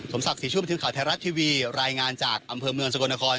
สมสักสิชุนบริษัทไทยรัฐทีวีรายงานจากอำเภอเมืองสกลนคร